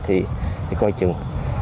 thì coi chừng